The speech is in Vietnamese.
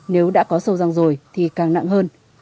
nếu đã có sâu răng rồi thì càng nặng hơn